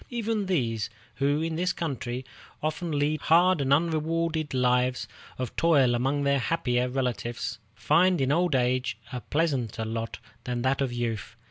Even these, who in this country often lead hard and unrewarded lives of toil among their happier relatives, find in old age a pleasanter lot than that of youth.